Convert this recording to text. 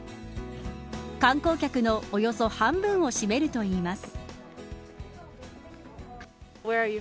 観光客のおよそ半分を占めるといいます。